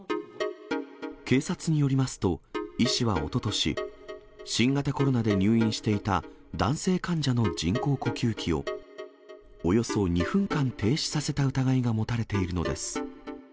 警察によりますと、医師はおととし、新型コロナで入院していた男性患者の人工呼吸器を、およそ２分間停止させた疑いが持たれているのです。